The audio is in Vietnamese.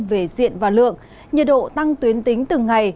về diện và lượng nhiệt độ tăng tuyến tính từng ngày